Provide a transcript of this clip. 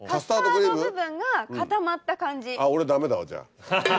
俺ダメだわじゃあ。